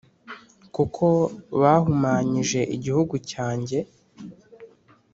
kuko bahumanyije igihugu cyanjye